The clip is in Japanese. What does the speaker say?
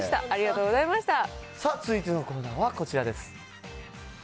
さあ、続いてのコーナーはこちらです。